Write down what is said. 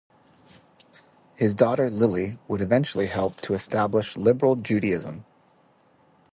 His daughter Lily would eventually help to establish Liberal Judaism.